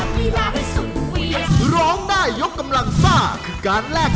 ขอบคุณครับ